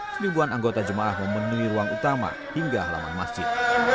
seribuan anggota jemaah memenuhi ruang utama hingga halaman masjid